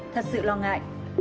thật sự lo ngại